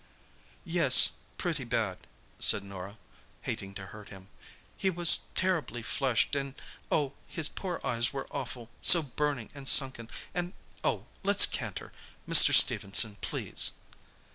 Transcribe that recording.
"Yes—pretty bad," said Norah, hating to hurt him. "He was terribly flushed, and oh! his poor eyes were awful, so burning and sunken. And—oh!—let's canter, Mr. Stephenson, please!"